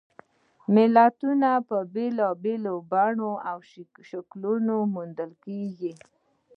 متلونه په بېلابېلو بڼو او شکلونو موندل کیږي